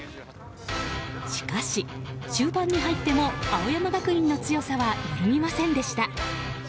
しかし、終盤に入っても青山学院の強さは揺るぎませんでした。